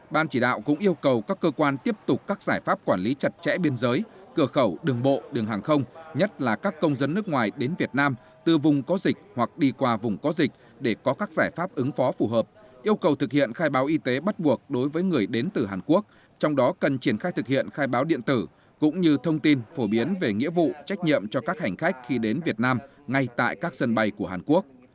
ban chỉ đạo cũng yêu cầu các cơ quan tiếp tục các giải pháp quản lý chặt chẽ biên giới cửa khẩu đường bộ đường hàng không nhất là các công dân nước ngoài đến việt nam từ vùng có dịch hoặc đi qua vùng có dịch để có các giải pháp ứng phó phù hợp yêu cầu thực hiện khai báo y tế bắt buộc đối với người đến từ hàn quốc trong đó cần triển khai thực hiện khai báo điện tử cũng như thông tin phổ biến về nghĩa vụ trách nhiệm cho các hành khách khi đến việt nam ngay tại các sân bay của hàn quốc